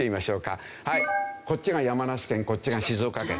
こっちが山梨県こっちが静岡県。